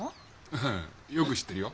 ああよく知ってるよ。